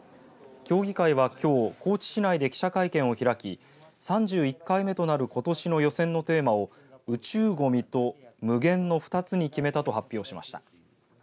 協議会は、きょう高知市内で記者会見を開き３１回目となることしの予選のテーマを宇宙ゴミと∞の２つに決めたと発表しました。